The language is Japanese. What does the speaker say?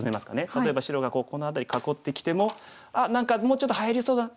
例えば白がこの辺り囲ってきても「あっ何かもうちょっと入れそうだな」。